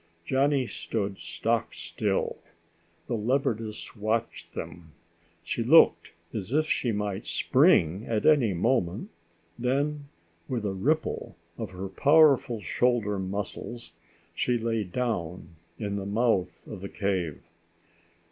Johnny stood stock still. The leopardess watched them. She looked as if she might spring at any moment. Then, with a ripple of her powerful shoulder muscles, she lay down in the mouth of the cave.